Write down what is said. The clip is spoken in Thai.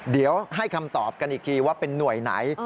เดี๋ยวให้คำตอบกันอีกทีว่าเป็นหน่วยไหน